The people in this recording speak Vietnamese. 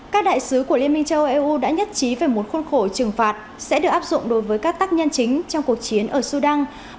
các đại sứ của liên minh châu âu đã nhất trí về một khuôn khổ trừng phạt sẽ được áp dụng đối với các tác nhân chính trong cuộc chiến ở sudan